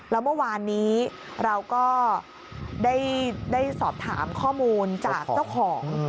แล้วเมื่อวานนี้เราก็ได้สอบถามข้อมูลจากเจ้าของ